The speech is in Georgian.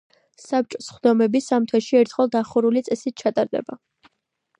საბჭოს სხდომები სამ თვეში ერთხელ დახურული წესით ჩატარდება.